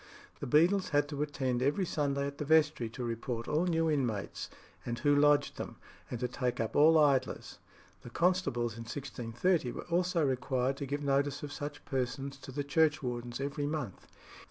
The beadles had to attend every Sunday at the vestry to report all new inmates, and who lodged them, and to take up all idlers; the constables in 1630 were also required to give notice of such persons to the churchwardens every month.